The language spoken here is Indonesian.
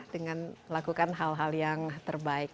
dengan lakukan hal hal yang terbaik